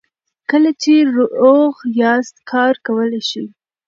کله چې روغ یاست کار کولی شئ.